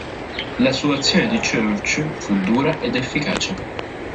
La sua azione di Church fu dura ed efficace.